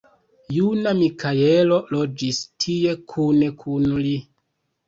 Juna Mikaelo loĝis tie kune kun li.